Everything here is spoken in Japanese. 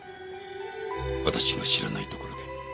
私の知らないところで。